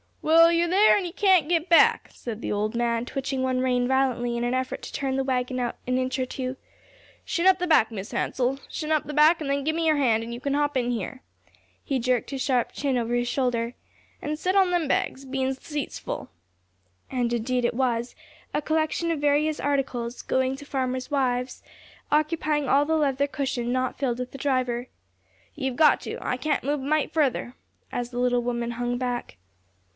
"Well, ye're there an' ye can't git back," said the old man, twitching one rein violently in an effort to turn the wagon out an inch or two. "Shin up the bank, Mis' Hansell, shin up the bank, and then gimme yer hand, an' you can hop in here," he jerked his sharp chin over his shoulder, "an' set on them bags, bein's th' seat's full." As indeed it was, a collection of various articles, going to the farmers' wives, occupying all the leather cushion not filled with the driver. "Ye've got to; I can't move a mite further," as the little woman hung back.